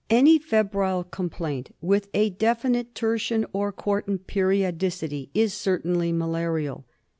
Any febrile complaint with a de finite tertian or quartan periodicity is certainly malarial.